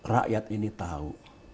rakyat ini tahu